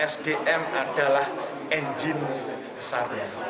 sdm adalah enjin besar